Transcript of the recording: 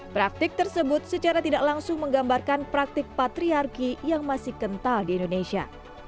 praktik tersebut secara tidak langsung menggambarkan praktik patriarki yang masih kental di indonesia